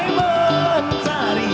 dan kapal mencari